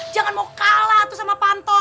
jangan mau kalah tuh sama panto